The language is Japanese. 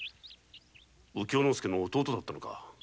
右京亮の弟だったのか。